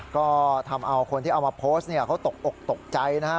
ก็ทำเอาคนที่เอามาโพสต์เนี่ยเขาตกอกตกใจนะฮะ